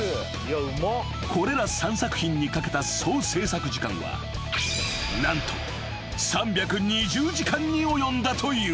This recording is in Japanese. ［これら３作品にかけた総制作時間は何と３２０時間に及んだという］